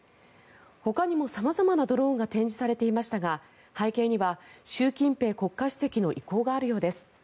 ほかにも様々なドローンが展示されていましたが背景には習近平国家主席の意向があるようです。